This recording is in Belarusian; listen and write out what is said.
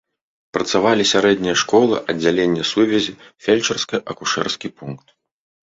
Працавалі сярэдняя школа, аддзяленне сувязі, фельчарска-акушэрскі пункт.